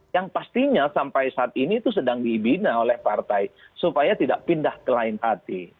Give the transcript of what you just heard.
yang pastinya sampai saat ini itu sedang dibina oleh partai supaya tidak pindah ke lain hati